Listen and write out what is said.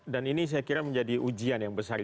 dan ini saya kira menjadi ujian yang besar